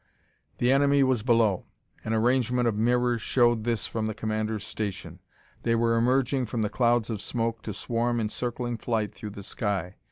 The enemy was below; an arrangement of mirrors showed this from the commander's station. They were emerging from the clouds of smoke to swarm in circling flight through the sky.